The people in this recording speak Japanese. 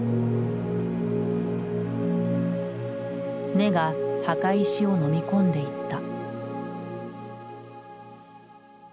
根が墓石をのみ込んでいった。